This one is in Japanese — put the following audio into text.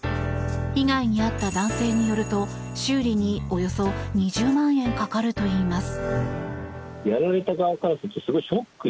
被害に遭った男性によると修理におよそ２０万円かかるといいます。